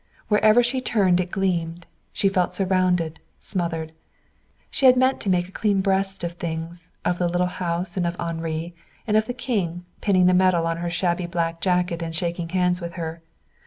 Wherever she turned it gleamed. She felt surrounded, smothered. She had meant to make a clean breast of things of the little house, and of Henri, and of the King, pinning the medal on her shabby black jacket and shaking hands with her.